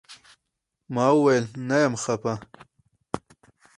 ما وويل نه يم خپه.